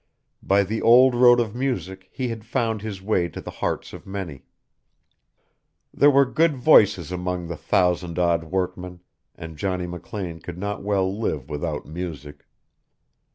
By the old road of music he had found his way to the hearts of many. There were good voices among the thousand odd workmen, and Johnny McLean could not well live without music.